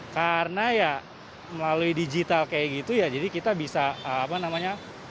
karena ya melalui digital kayak gitu ya jadi kita bisa apa namanya